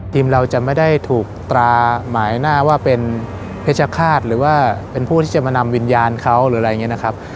ทีมเราจะไม่ได้ถูกตราหมายหน้าว่าเป็นเพชรฆาตหรือว่าเป็นผู้ที่จะมานำวิญญาณเขาหรืออะไรอย่างนี้นะครับ